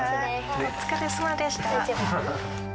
お疲れさまでした。